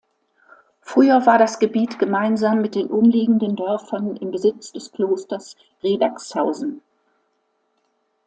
Früher war das Gebiet gemeinsam mit den umliegenden Dörfern im Besitz des Klosters Riddagshausen.